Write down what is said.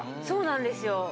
そうなんですよ。